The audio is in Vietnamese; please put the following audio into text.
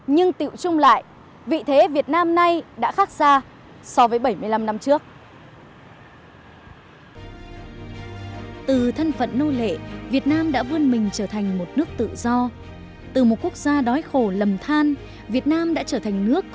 nhưng tựu chung lại vị thế việt nam nay đã khác xa so với bảy mươi năm năm trước